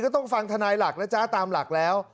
ต้องฟังทนายหลักนะจ๊ะตามหลักแล้ว